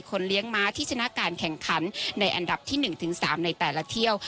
เลี้ยงม้าที่ชนะการแข่งขันในอันดับที่๑ถึง๓ในแต่ละเที่ยว